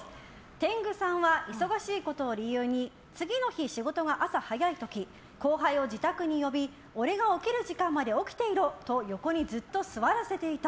天狗さんは忙しいことを理由に次の日仕事が朝早い時後輩を自宅に呼び俺が起きる時間まで起きていろと横にずっと座らせていた。